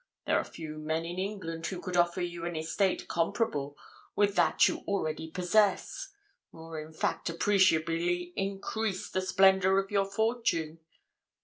There are few men in England who could offer you an estate comparable with that you already possess; or, in fact, appreciably increase the splendour of your fortune.